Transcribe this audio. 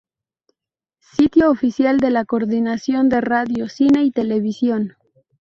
Sitio oficial de la Coordinación de Radio, Cine y Televisión